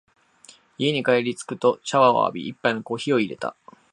家に帰りつくとシャワーを浴び、一杯のコーヒーを淹れた。